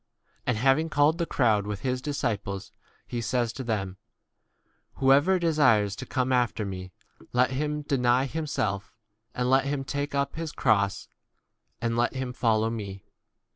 And having called the crowd with his disciples, he says to them, Whoever desires to come after me, let him deny himself, and let him take up his cross and 35 let him follow me.